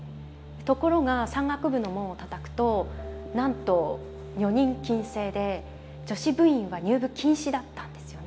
ところが山岳部の門をたたくとなんと女人禁制で女子部員は入部禁止だったんですよね。